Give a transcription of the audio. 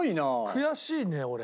悔しいね俺。